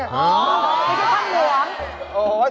ไม่ใช่ข้างเหนือ